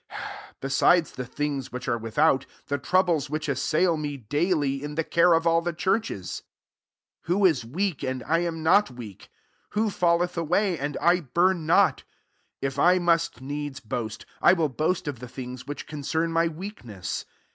28 Besides the things which are without, the troubles which assail me daily, in the care of all the churches. 29 Who* is weak, and I am not weak ? who falleth away, and I burn not ? 30 If I must needs boast, 1 will boast of the things which concern my weakness.